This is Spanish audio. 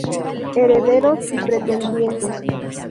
Herederos y pretendientes.